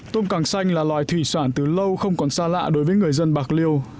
tôm càng xanh là loài thủy sản từ lâu không còn xa lạ đối với người dân bạc liêu